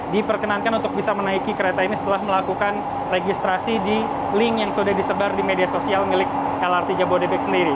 diperkenankan untuk bisa menaiki kereta ini setelah melakukan registrasi di link yang sudah disebar di media sosial milik lrt jabodebek sendiri